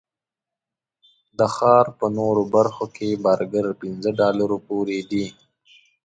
د ښار په نورو برخو کې برګر پنځه ډالرو پورې دي.